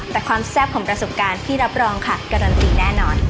แต่ความแซ่บของประสบการณ์ที่รับรองค่ะการันตีแน่นอน